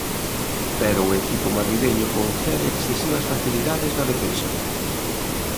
Pero o equipo madrileño concede excesivas facilidades na defensa.